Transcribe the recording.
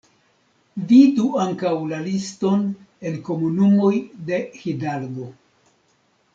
Vidu ankaŭ la liston en komunumoj de Hidalgo.